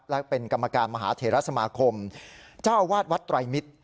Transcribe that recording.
และเป็นกรรมการมหาเทรสมาคมเจ้าอาวาสวัดไตรมิตร